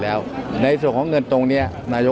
ตราบใดที่ตนยังเป็นนายกอยู่